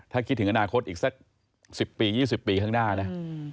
ถ้าคิดถึงอนาคตอีกสัก๑๐ปี๒๐ปีข้างหน้านะ